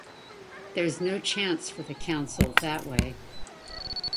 There’s no chance for the Council that way.